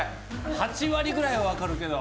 ８割ぐらいは分かるけど。